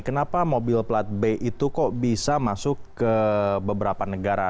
kenapa mobil plat b itu kok bisa masuk ke beberapa negara